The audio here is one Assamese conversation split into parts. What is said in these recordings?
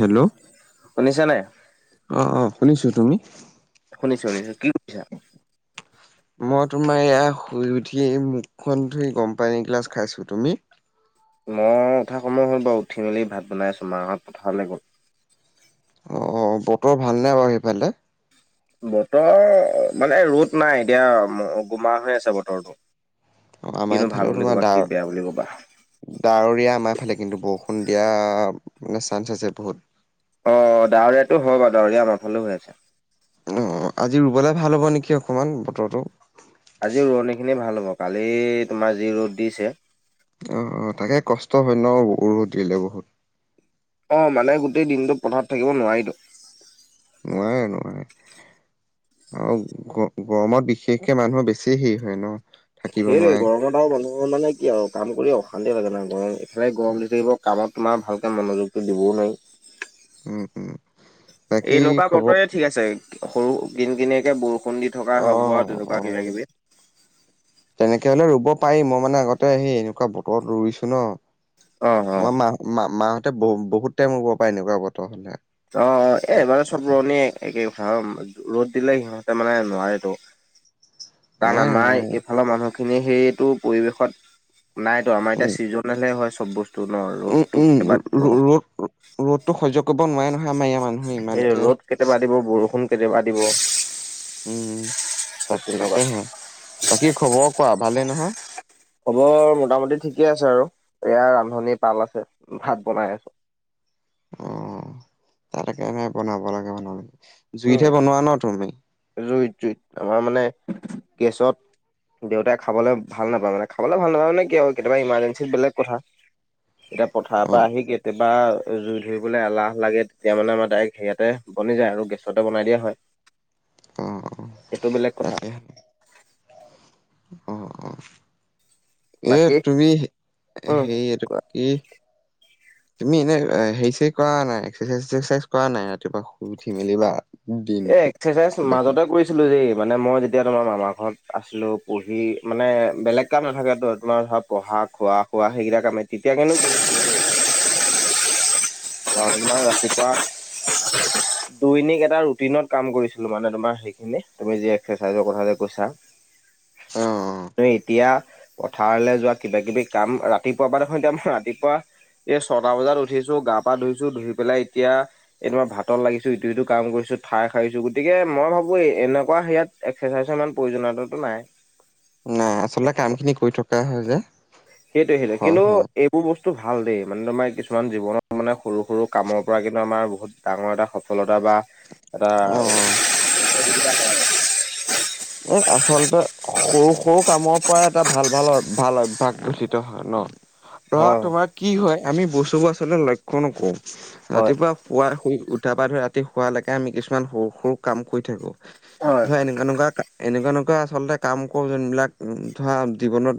হেল্ল' অ শুনিছা নাই? অ শুনিছো। তুমি? শুনিছো শুনিছো। কি কৰিছা? মই তোমাৰ এইয়া শুই উঠি মুখখন ধুই গম পানী এগিলাচ খাইছোঁ। তুমি? মই উঠা সময় হ'ল বাৰু, উঠি মেলি ভাত বনাই আছোঁ মাঁহত পথাৰলৈ গ'ল। অ অ বতৰ ভালনে বাৰু সেইফালে? বতৰ মানে ৰ'দ নাই এতিয়া গোমা হৈ আছে বতৰটো। অ আমাৰ কিনো ভাল বুলি ক'বা কি বেয়া বুলি কবা। ডাঁৱৰীয়া আমাৰ ফালে কিন্তু, বৰষুণ দিয়া মানে চাঞ্চ আছে বহুত। অ ডাঁৱৰীয়াতো হয় বাৰু ডাঁৱৰীয়া আমাৰ ফালেও হৈ আছে। অ আজি ৰুবলৈ ভাল হ'ব নেকি অকণমান বতৰটো। আজি ৰোৱনীখিনিৰ ভাল হ'ব। কালি তোমাৰ যি ৰ'দ দিছে অ অ তাকে কষ্ট হয় ন ৰদো দিলে বহুত। অ মানে গোটেই দিনটোত পথাৰত থাকিব নোৱাৰিতো। নোৱাৰে নোৱাৰে [unintelligible] আৰু গ-গৰমত বিশেষকে মানুহৰ বেছি হেৰি হয় ন। থাকিব সেইোটোৱে। নোৱাৰে গৰমত আৰু মানুহবোৰৰ মানে কি আৰু কাম কৰি অশান্তি লাগে ন, গৰম ইফালে গৰম দি থাকিব কামত তোমাৰ ভালকৈ মনোযোগটো দিবও নোৱাৰি। উম উম। বাকী এনেকুৱা খবৰ বতৰে ঠিক আছে। সৰু কিন কিনিয়াকে বৰষুণ দি থকাই অ হওক বা তেনেকুৱা অ কিবা কিবি। তেনেকে হ'লে ৰুব পাৰি মই মানে আগতে আহি এনেকুৱা বতৰত ৰুইছো ন, অ', অ', আমাৰ মাঁহত মা মাহঁতে ব বহুত টাইম ৰুব পাৰে এনেকুৱা বতৰ হ'লে। অ এবাৰ চব ৰুৱণিয়ে একে কথা ৰ'দ দিলে সিহঁতে মানে নোৱাৰে তো। কাৰণ নোৱাৰে আমাৰ নোৱাৰে এইফালৰ মানুহখিনিয়ে সেইটো পৰিৱেশত নাইতো। আমাৰ এতিয়া উম ছিজনেলহে হয় চব বস্তু ন উম উম ৰ'দটো ৰ'দ ৰ'দটো সহ্য কৰিব নোৱাৰে নহয় আমাৰ ইয়াৰ মানুহে এই ইমানকে। ৰ'দ কেতিয়াবা ৰাতি বৰ বৰষুণ কেতিয়াবা দিব উম। চব তেনেকুৱা তাকেহে, বাকী খবৰ কোৱা ভালে নহয়? খবৰ মোটামুটি ঠিকে আছে আৰু এয়া ৰান্ধনী পাল আছে ভাত বনাই আছো। অ [unintelligible] বনাব লাগে উম জুইতহে বনোৱা ন তুমি? জুইত জুইত আমাৰ মানে গেছত দেউতাই খাবলৈ ভাল নাপায় মানে, খাবলৈ ভাল নাপায় মানে কি আৰু কেতিয়াবা ইমাৰজেৰ্ঞ্চিত বেলেগ কথা। এতিয়া পথাৰৰ অ। অ পৰা আহি কেতিয়া বা জুই ধৰিবলৈ এলাহ লাগে, তেতিয়া মানে আমাৰ ডাইৰেক্ট সেয়াতে বনি যায় আৰু গেছতে বনাই দিয়া হয়। অ এইটো বেলেগ কথা। তাকে অ অ এ বাকী তুমি উম সেইটো কোৱা। কি [unintelligible] তুমি এনে হেৰি-চেৰি কৰা নাই, এক্সাৰচাইজ চাইজ কৰা নাই, ৰাতিপুৱা শু উঠি মেলি বা এ দিনটো এক্সাৰচাইজ কিবা কিবি মাজতে কৰিছো ছিলো দেই মানে মই যেতিয়া তোমাৰ মামাৰ ঘৰত আছিলো পঢ়ি মানে বেলেগ কাম নাথাকেতো তোমাৰ চব পঢ়া খোৱা খোৱা সেইগবিলাক কামে তেতিয়া কিন্তু [unintelligible] [unintelligible] দৈনিক এটা ৰুটিনত কাম কৰিছিলো মানে তোমাৰ সেইখিনি তুমি যি [unintelligible] চাইজৰ কথা যে কৈছা অ অ। এতিয়া। পথাৰলৈ যোৱা কিবা কিবি কাম ৰাতিপুৱাৰ পৰা দেখোন [unintelligible] ৰাতিপুৱা। [unintelligible] ছটা বজাত উঠিছোঁ গা পা ধুইছোঁ ধুই পেলাই এতিয়া। [unintelligible] ভাতত লাগিছো ইটো সিটো কাম কৰিছোঁ ঠাই শাৰিছো গতিকে মই ভাৱো এনেকুৱা সেয়াত এক্সাৰচাইজৰ ইমান প্ৰয়োজনীয়তাটো নাই। নাই আচলতে কাম খিনি কৰি থকা হয় যে। সেইটোৱে, সেইটোৱে হয় কিন্তু হয় এই বোৰ বস্তু ভাল দেই মানে তোমাৰ কিছুমান জীৱনৰ মানে সৰু সৰু কামৰ পৰা কিন্তু আমাৰ বহুত ডাঙৰ এটা সফলতা বা এটা। অ এ আচলতে সৰু সৰু কামৰ পৰা এটা ভাল, ভাল ভাল অভ্যাস গঠিত হয় ন ধৰা হয় তোমাৰ কি হয় আমি বস্তুবোৰ আচলতে লক্ষ্য নকৰোঁ হয় ৰাতিপুৱা। পুৱা শুই উঠা পৰা ধৰি ৰাতি শোৱালৈকে আমি কিছুমান সৰু সৰু কাম কৰি থাকোঁ হয় ধৰা এনে তেনেকুৱা এনেকুৱা, এনেকুৱা আচলতে কাম কৰো যোনবিলাক ধৰা জীৱনত।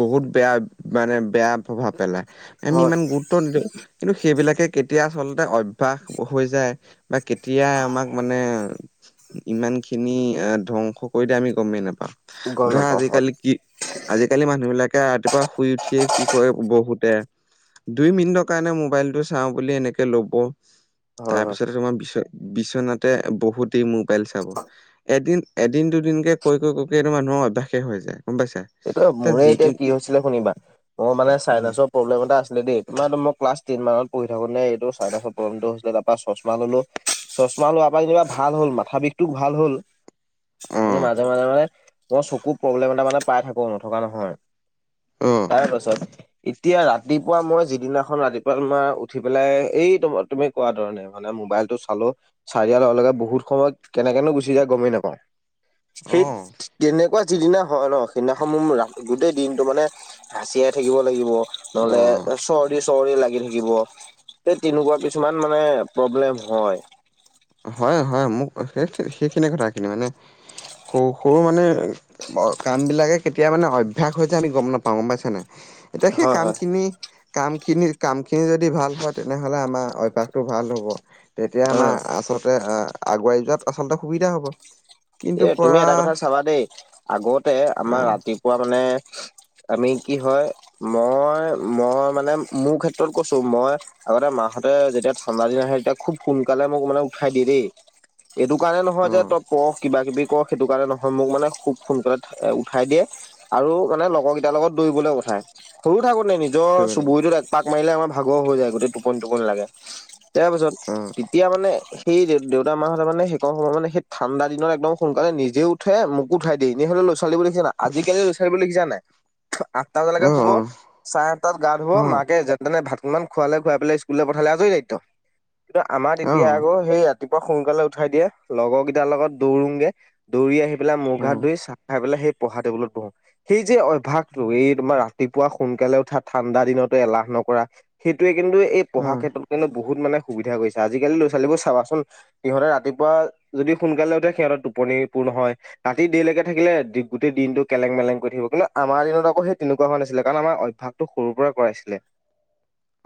বহুত বেয়া মানে বেয়া প্ৰভাৱ পেলাই আমি হয় ইমান গুৰুত্ব নিদিওঁ। কিন্তু সেইবিলাকে কেতিয়া আচলতে অভ্যাস হৈ যায়। বা কেতিয়া আমাক মানে ইমান খিনি এ ধ্বংস। কৰি দিয়ে আমি গমেই নাপাওঁ গম ধৰা নাপাওঁ হয় আজিকালি কি। আজিকালি মানুহ বিলাকে ৰাতিপুৱা শুই উঠিয়ে কি কৰে বহুতে। দুই মিনিটৰ কাৰণে মোবাইলটো চাওঁ বুলি এনেকে ল'ব। হয় হয়। তাৰপিছতে তোমাৰ বিচ-বিচনাতে বহুত দেৰি মোবাইল চাব এদিন এদি দিন দুদিনকে কৈ, কৈ, কৈ এইটো মানুহৰ অভ্যাসেই হৈ যায় গম পাইছা। এইটোৱে ত মোৰে যিটো এতিয়া কি হৈছিলে শুনিবা মোৰ মানে অ চাইনাছৰ। প্ৰব্লেম এটা আছিলে দেই তোমাৰ মই ক্লাছ টেন মানত পঢ়ি থাকোতে নে এইটো চাইনাছৰ প্ৰব্লেমটো হৈছিল তাৰ পৰা চশমা ল'লো। চশমা লোৱাৰ পৰা যেনিবা ভাল হ'ল মাথা বিষটো ভাল হ'ল। অ কিন্তু মাজে মাজে মানে মই চকুৰ প্ৰব্লেম এটা মানে পাই থাকোঁ নথকা নহয়। তাৰেপাছত। এতিয়া ৰাতিপুৱা মই যিদিনাখন ৰাতিপুৱা তোমাৰ উঠি পেলাই এই তুম-তুমি কোৱা ধৰণে। মানে মোবাইলটো চালোঁ। চাই দিয়াৰ লগে লগে বহুত সময় কেনে কেনো গুচি যায় গমেই নাপাওঁ অ সেই তেনেকুৱা। যিদিনা হয় নহ সিদিনাখন মোৰ গোটেই দিনটো মানে হাঁচিয়াই থাকিব লাগিব। অ নহ'লে চৰ্দি। চৰ্দি লাগি থাকিব তে-তেনেকুৱা কিছুমান মানে প্ৰব্লেম হয়। হয়, হয় মোক সেই-সেইখিনি কথাখিনি মানে সৰু, সৰু মানে। কাম বিলাকে কেতিয়া মানে অভ্যাস হৈ যায় আমি গম নাপাওঁ গম পাইছা নে নাই। এতিয়া সেই হয় হয় কামখিনি। কামখিনি, কামখিনি যদি ভাল হয় তেনেহ'লে আমাৰ অভ্যাসটো ভাল হ'ব। তেতিয়া উম আমাৰ আচলতে আগুৱাই যোৱাত আচলতে সুবিধা হ'ব। কিন্তু এ তুমি পৰা এটা কথা চাবা দেই আগতে আমাৰ আহ ৰাতিপুৱা মানে। আমি কি হয় মই, মই মানে মোৰ ক্ষেত্ৰত কৈছো মই। আগতে মাহতে যেতিয়া ঠাণ্ডা দিন আহে তেতিয়া খুব সোনকালে মোক মানে উঠাই দিয়ে দেই। এইটো কাৰণে নহয় যে তই পঢ়। কিবা কিবি কৰ সেইটো কাৰণে নহয় মোক মানে খুব সোনকালে উঠাই দিয়ে। আৰু মানে লগৰ কেইটাৰ লগত দৌৰিবলৈ পঠাই সৰু থাকোতে নি নিজৰ চুবুৰীটোত এক পাক মাৰিলে আমাৰ ভাগৰ হৈ যায় গোটেই টোপনি, টোপনি লাগে। তাৰপিছত তেতিয়া মানে সেই দেউতা মাহতে মানে [unintelligible] সময়ত মানে সেই ঠাণ্ডা দিনত। একদম সোনকালে নিজে উঠে মোকো উঠাই দিয়ে এনেই হ'লে ল'ৰা-ছোৱালীবোৰ দেখিছা নে নাই আজিকালি ল'ৰা-ছোৱালীবোৰ দেখিছা নে নাই। আঠটা বজালৈকে শুব অ', চাৰে আঠটাত গা ধুব অ', অ মাকে যেনে তেনে ভাত [unintelligible] খোৱালে খুৱাই পেলাই স্কুললে পঠালে আজৰি দায়িত্ব কিন্তু আমাৰ তেতিয়া আকৌ সেইয়াত। ৰাতিপুৱা সোনকালে উঠাই দিয়ে লগৰ কেইটাৰ লগত। দৌৰোংগে দৌৰি আহি পেলাই মুখ অ হাত ধুই চাহ খাই পেলাই সেই পঢ়া টেবুলত বহোঁ সেই যে অভ ভ্যাসটো এই তোমাৰ ৰাতিপুৱা সোনকালে উঠা ঠাণ্ডা দিনতো এলাহ নকৰা সেইটোৱে কিন্তু এই অ পঢ়াৰ ক্ষেত্ৰত কিন্তু বহু বহুত মানে সুবিধা কৰিছে আজিকালি লৰা ছোৱালীবোৰ চাবাচোন সিহঁতে ৰাতিপুৱা যদি সোনকালে উঠে সিহতৰ টোপনি পূৰ নহয় ৰাতি দেৰিলৈকে থাকিলে গোটেই দিনটো কেলেং মেলেং কৰি থাকিব কিন্তু আমাৰ দিনত আকৌ সেই তেনেকুৱা হোৱা নাছিলে কাৰণ আমাৰ অভ্যাস সৰুৰ পৰা কৰাইছিলে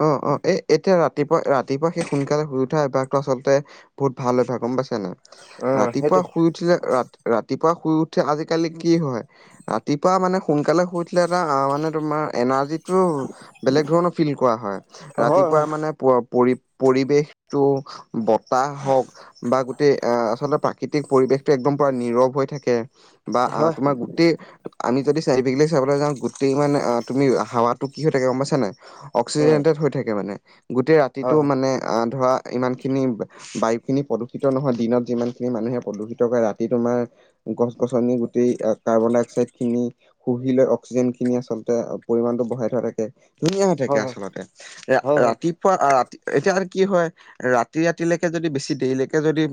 অ' অ' এ এতিয়া ৰাতিপুৱা ৰাতিপুৱা সেই সোনকালে শুই উঠা অভ্যাসটো আচলতে বহুত ভাল হৈ ভ গম পাইছে নে উম ৰাতিপুৱা সেইটোৱে শুই উঠিলে ৰা ৰাতিপুৱা শুই উঠে আজিকালি কি হয়। ৰাতিপুৱা মানে সোনকালে শু উঠিলে এটা আ মানে তোমাৰ এনাৰ্জিত বেলেগ ধৰণৰ ফিল কৰা হয় হয় হয় ৰাতিপুৱা মানে মানে পৰি পৰিৱেশটো বতাহ হওক। বা গোটেই আহ আচলতে প্ৰাকৃতিক পৰিৱেশটো একদম পুৰা নীৰৱ হৈ থাকে বা হয় তোমাৰ গোটেই আমি যদি চাৰি বিক চাবলৈ যাওঁ গোটেই ইমান তুমি হাৱাতটো কি হৈ থাকে গম পাইছানে নাই। উম অক্সিজেণ্টেড হৈ থাকে মানে গোটেই ৰাতিটো হয় হয়। মানে ধৰা ইমান খিনি বায়ু খিনি প্ৰদূষিত নহয় দিনত যিমান খিনি মানুহে প্ৰদূষিত কৰে ৰাতি তোমাৰ গছ গছনি গোটেই কাৰ্বন ডাই অক্সাইড খিনি শুহি লৈ অক্সিজেন খিনি আচলতে পৰিমামানটো বঢ়াই থোৱা থাকে ধুনীয়া থাকে হয় হয় আচলতে হয় হয় ৰাতিপুৱা ৰাতি এতিয়া আৰু কি হয়। ৰাতি ৰাতিলৈকে যদি বেছি দেৰিলৈকে যদি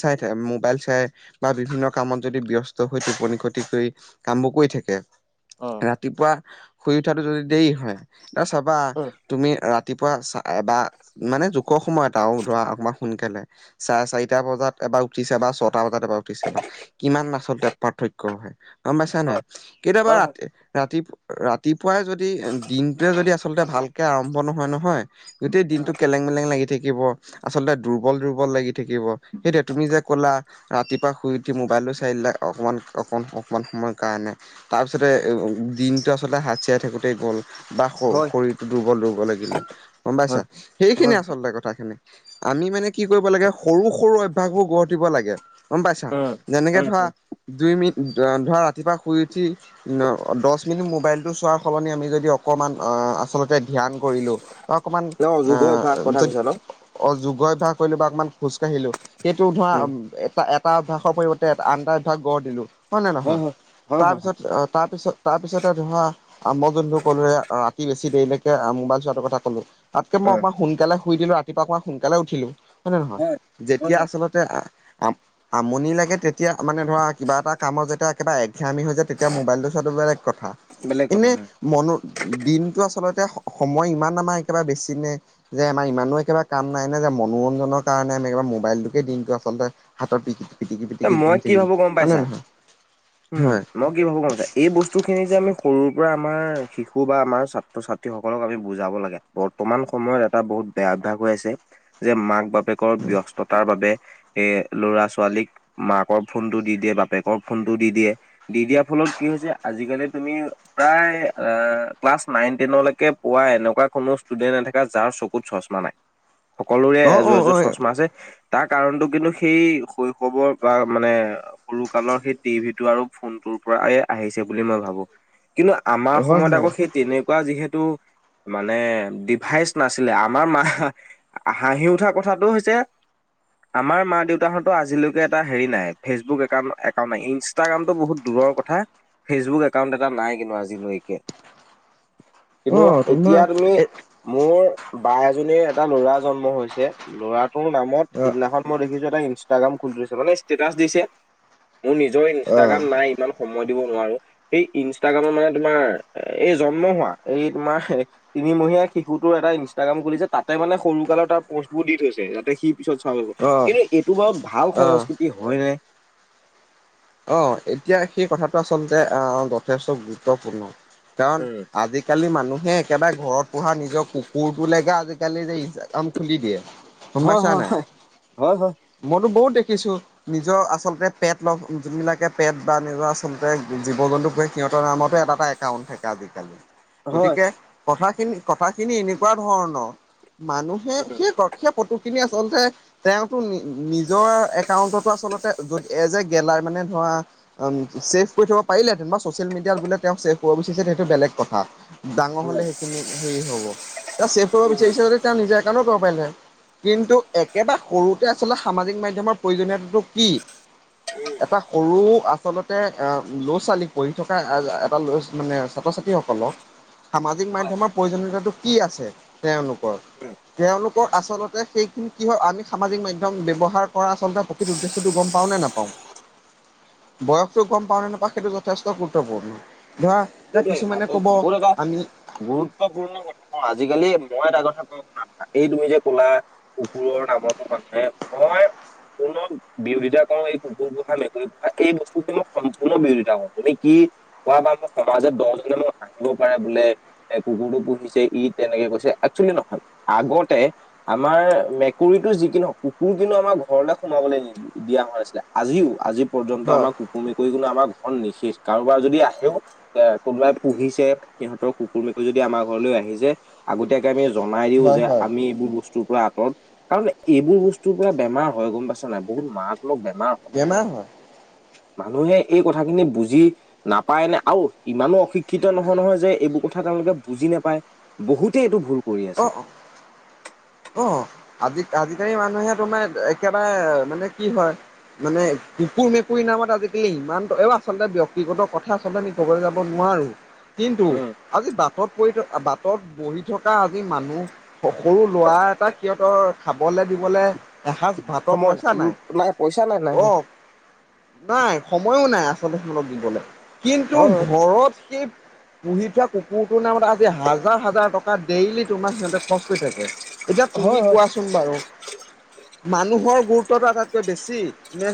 চাই থ মোবাইল চাই বা বিভিন্ন কামত যদি ব্যস্ত হৈ টোপনি ক্ষতি কৰি কামবোৰ কৰি থাকে। অ' ৰাতিপুৱা শুই উঠাটো যদি দেৰি হয় এতিয়া চাবা। উম তুমি ৰাতিপুৱা চা বা মানে জোকৰ সময়ত আৰু ধৰা অকণমান সোনকালে চাৰে চাৰিটা বজাত এবাৰ উঠি ছবাৰ চ নটা বজাত এবাৰ উঠি ছাবা কিমান আচলতে পাৰ্থক্য হয় গম পাইছা নাই হয় কেতিয়াবা হয় ৰাতি ৰাতি ৰাতিপুৱাই যদি দিনটয়ে যদি আচলতে আচলতে ভালকে আৰম্ভ নহয় নহয় গোটেই দিনটো কেলেং মেলেং লাগি থাকিব আচলতে দুৰ্বল দুৰ্বল লাগি থাকিব। সেইটোৱে তুমি যে ক'লা ৰাতিপুৱা শুই উঠি মোবাইলটো চাই দিলা অকমান অক অকমান সময়ৰ কাৰণে। তাৰপিছতে দিনটো আচলতে হাত চেৰাই থেকোতে গ'ল। বা হয় শৰীৰতটো দুৰ্বল দুৰ্ব লাগিলে গম পাইছা। হয় হয় সেইখিনিয়ে আচলতে কথাখিনি। আমি মানে কি কৰিব লাগে সৰু সৰু অভ্যাসবোৰ গঢ় দিব লাগে গম পাইছা। উম যেনেকে ধৰা উম দুই মিনিট ধৰা ৰাতিপুৱা শুই উঠি দহ মিনিট মোবাইলটো চোৱাৰ সলনি আমি যদি অকমান আচলতে ধ্যান কৰিলো। বা অকণমান ন যুগ অভ্যাস কথা যদি কৈছা ন অযোগ্য অভ্যাস কৰিলোঁ বা অকণমান খোজকাঢ়িলোঁ। সেইটো ধৰা উম এটা এটা অভ্যয়াসৰ পৰিৱৰ্তে আন এটা অভ্যাস গঢ় দিলো হয় নে নহয়। হয় তাৰ হয় পিছত তাৰ পিছত তাৰ পিছতে ধৰা মই জুন্তু কোলোৱে ৰাতি বেছি ৰাতি দেৰিলৈকে মোবাইল চোৱাটো কথা কলো তাতকে মই হয় অকণমান সোনকালে শুই দিলো ৰাতিপাৱা অকণমান সোনকালে উঠিলো উঠিলো হয় নে নহয় হয় যেতিয়া হয় আচলতে আমনি লাগে তেতিয়া মানে ধৰা কিবা এটা কামত যেতিয়া কিবা এঘামি হৈ যায় তেতিয়া মোবাইলটো চোৱাটো বেলেগ কথা। বেলেগ কথা এনে হয় মনো দিনটো আচলতে সময় ইমান আমাৰ একেবাৰে বেছি নে। যে আমাৰ ইমানো একেবাৰে কাম নাই নে যে মনোৰঞ্জনৰ কাৰণে আমি মোবাইলটোকে দিনটো আচলতে হাতৰ পিটি পিটিকি এ পিটিকি মই বহি কি থাকিম ভাবো গম হয়নেে পাইছা নহয়। উম। হয় মই কি ভাবো গম আছা এই বস্তুখিনি যে আমি সৰুৰ পৰা আমাৰ শিশু বা আমাৰ ছাত্ৰ ছাত্ৰীসকলক আমি বুজাব লাগে। বৰ্তমান সময়ত এটা বহুত বেয়া অভ্যাস হৈ আছে যে মাক বাপ বাপেকৰ ব্যস্ততাৰ বাবে এ ল'ৰা ছোৱালীক মাকৰ ফোনতটো দি দিয়ে বাপেকৰ ফোন টো দি দিয়ে দি দিয়াৰ ফলত কি হৈছে আজিকালি তুমি প্ৰায় ক্লাছ নাইন টেনলৈকে পোৱা এনেকুৱা কোনো ষ্টুডেন্ট নাথাকে যাৰ চকু ক'ত চছমা নাই সকলোৰে অ অ এযোৰ এযোৰ অ চছমা যে তাৰ কাৰণটো কিন্তু সেই শৈশৱৰ বা মানে সৰুকালৰ সেই টিভি টো আৰু ফোনটোৰ পা আহিছে বুলি মই ভাবো, কিন্তু আমাৰ হয় সময়ত হয় আকৌ সেই তেনেকুৱা যিহেতু মানে ডিভাইচ নাছিলে আমাৰ মা হাঁহি উঠা কথাটো হৈছে আমাৰ মা, দেউতাৰ হুটৰ আজিলৈকে এটা হেৰি নাই ফেচবুক একাউন একাউন ই ইনষ্টাগ্ৰামটো বহুত দূৰৰ কথা ফেচবুক একাউণ্ট এটা নাই কিন্তু আজিলৈকে। অ কিন্তু তোমাৰ এতিয়া তুমি এ মোৰ বা এজনীৰ এটা লৰা জন্ম হৈছে ল'ৰাটোৰ নামত অ সিদিনাখন মই দেখিছো এটা ইনষ্টাগ্ৰাম খুলিছে মানে ষ্টেটাচ দিছে মোৰ নিজৰ অ ইনষ্টাগ্ৰাম নাই ইমান। সময় দিব নোৱাৰো, এই ইনষ্টাগ্ৰামৰ মানে তোমাৰ এই জন্ম হোৱা এই তোমাৰ তিনিমহীয়া শিকুটোৰ এটা ইনষ্টাগ্ৰাম খুলিছে তাতে মানে সৰু কালৰ তাৰ পোষ্টবোৰ দি থৈছে যাতে সি পিছত চালোঁগৈ অ কিন্তু এইটো বাৰু ভাল অ সংস্কৃতি হয় নে। অ', এতিয়া সেই কথাটো আচলতে আহ জেষ্টটো দুটোপূৰ্ণ কাৰণ উম আজি আজি কালি মানুহে একেবাৰে ঘৰত পূহা নিজৰ কুকুৰটো লোকে আজিকালি যে ইনস্থাগ্ৰাম খুলি দিয়ে। গম হয় পইচা হয় নাই, হয় হয় মইতো বহুত দেখিছো নিজৰ আচলতে পেট লগ যোনবিলাকে পেট বা নিজৰ আচলতে জীৱ জন্তু সিহঁতৰ নামতো এটা এটা একাউণ্ট থাকে আজিকালি। হয় হয় গতিকে কথাখিনি কথাখিনি এনেকুৱা ধৰণৰ মানুহে হে সেই ফটো খিনি আচলতে তেওঁতো নিজৰ একাউন্টতো আচলতে এজেক তাৰ মানে তই আহ। সবে কৰি থব পাৰিলে তেনা ছচিয়েল মিডিয়াত বোলে তেওঁ চছেভ কৰিব বদিছে হেতু বেলেগ কথা। ডাঙৰ হয় হলে সেইখিনি হেৰি হব সবে কৰিব হয় বিচাৰি যদি নিজৰ একাউণ্ট কৰিব পাৰিলে কিন্তু একেটা সৰুতে আচলতে সামাজিক মাধ্যমৰ প্ৰয়োজনীয়তাটো কি। উম [unintelligible] এটা সৰু আচলতে ল'ৰা, ছোৱালীক পঢ়ি থকা এটা' মানে ছাত্ৰ, ছাত্ৰী সকলক। হয় [inaudible] সামাজিক হয় মাধ্যমত পৰিজনতাতটো কি আছে তেওঁলোক। তেওঁলোকৰ আচলতে সেইখিনি কি হয় আমি সামাজিক মাধ্যম ব্যৱহাৰ কৰা আচলতে প্ৰকৃত উদ্দেশ্যটো গম পাওঁ নে নাপাওঁ। বয়সতটো গম পাওঁ নে নাপাওঁ সেইটো জেষ্টটো দুটোপূৰ্ণ ধৰা এইটোৱে কিছুমানে ক'ব ক'ত এটা আমি গুৰুত্বপূৰ্ণ কথা ন আজিকালি মই এটা কথা কওঁ শুনা এই তুমি যে ক'লা। কুকুৰৰ নামতো মানুহে মই সম্পূৰ্ণ বিৰোধিতা কওঁ এই কুকুৰ পোহা মেকুৰী পোহা এই বস্তুখ মই সম্পূৰ্ণ বিৰোধিতা কওঁ তুমি কি অ', আমাৰ সমাজত দহজনে মোক হাঁহিব পাৰে বোলে এ কুকুৰটো পুহিছে য়ি তেনেকে কৈছে একচোৱেলি নহয় আগতে আমাৰ মেকুৰীতো যি কি নহওঁক কুকুৰ কিন্তু আমাৰ ঘৰলে সোমাবলৈ নিদিওঁ। দিয়া হৈছে আছিও আজিও পৰ্যন্ত হয় আমাৰ কুকুৰ, মেকুৰী কো আমাৰ ঘৰ নিষেষ কাৰবাৰ যদি আহেও। এ কোনবাই পুহিছে সিহঁতৰ কুকুৰ, মেকুৰী যদি আমাৰ ঘৰলৈ আহিযায় আগতীয় আমি জনাই দিও হয় যে হয় আমি এইবোৰ বস্তু বস্তুৰ পৰা আঁত কাৰণ এইবোৰ বস্তুৰ পৰা বেমাৰ হয় গম পাইছ নাই বহুত মাৰাত্মক বেমাৰ হয় বেমাৰ হয়। মানুহে এই কথাখিনি বুজি নাপায় নে আৰু ইমানো অশিক্ষিত নহয় নহয় যে এইবোৰ কথা তেওঁলোকে বুজি নাপায় বহুতে এইটো ভুল কৰি আছে অহ। অ', আজি আজিকালি মানুহে তোমাৰ একেবাৰে মানে কি হয় মানে কুকুৰ, মেকুৰী নামত আজিকালি ইমান আচলতে ব্যক্তিগত কথা আমি কব যাব নোৱাৰোঁ। কিন্তু উম আজি বাটত পৰি থকা বাটত বহি থকা আজি মানুহ সৰু ল'ৰা এটা সিহতৰ খাবলে দিবলে এসাঁজ ভাতৰ পইচা নাই পইচা নাই নাই নাই অহ নাই সময়ো নাই আচলতে সকাহ দিবলৈ কিন্তু হয় হয় ঘৰত সেই পুহি থোৱা কুকুৰটোৰ নামত আজি হাজাৰ হাজাৰ টকা ডেইলি তোমাৰ সিহঁতে খৰচ কৰি থাকে এতিয়া তুমি হয় হয় কোৱাচোন বাৰু মানুহৰ গুৰুত্বটো আটাইতকৈ বেছি নে